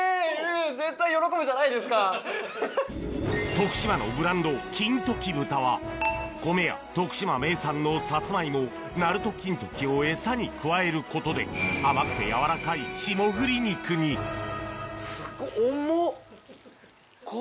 徳島のブランド米や徳島名産のサツマイモなると金時をエサに加えることで霜降り肉にすごっ重っ！